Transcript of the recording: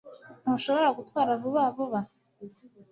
Ntushobora gutwara vuba vuba?